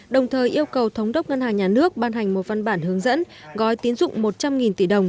đồng thời yêu cầu thống đốc ngân hàng nhà nước ban hành một văn bản hướng dẫn gói tín dụng một trăm linh tỷ đồng